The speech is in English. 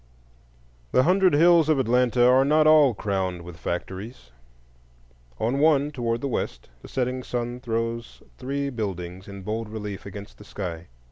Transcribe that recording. The hundred hills of Atlanta are not all crowned with factories. On one, toward the west, the setting sun throws three buildings in bold relief against the sky.